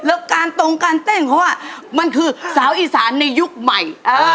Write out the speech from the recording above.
แล้วการตรงการเต้นเขาว่ามันคือสาวอีสานในยุคใหม่